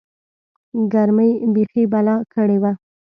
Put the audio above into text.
گرمۍ بيخي بلا کړې وه.